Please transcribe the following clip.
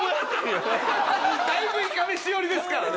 だいぶいかめし寄りですからね。